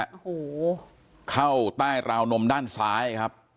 โอ้โหเข้าใต้ราวนมด้านซ้ายครับ